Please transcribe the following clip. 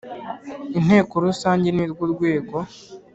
Inteko rusange nirwo rwego